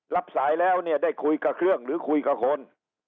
รับสายแล้วเนี่ยได้คุยกับเครื่องหรือคุยกับคน